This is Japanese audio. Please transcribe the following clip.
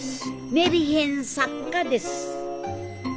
メルヘン作家です。